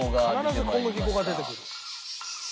必ず小麦粉が出てくる。